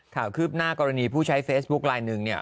ถ่าขึ้นหน้ากรณีผู้ใช้เฟซบุ๊คไลน์หนึ่ง